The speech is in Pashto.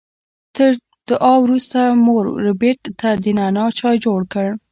تر دعا وروسته مور ربیټ د نعنا چای جوړ کړ